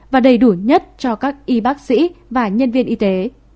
và đầy đủ nhất cho các y bác sĩ và nhân viên y tế